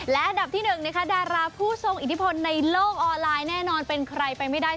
และอันดับที่๑นะคะดาราผู้ทรงอิทธิพลในโลกออนไลน์แน่นอนเป็นใครไปไม่ได้